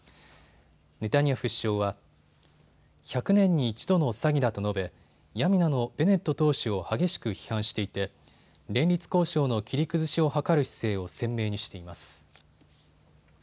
ネタニヤフ首相は１００年に一度の詐欺だと述べヤミナのベネット党首を激しく批判していて連立交渉の切り崩しを図る姿勢を鮮明にしています。